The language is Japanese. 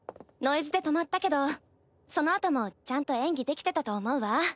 ノイズで止まったけどそのあともちゃんと演技できてたと思うわ。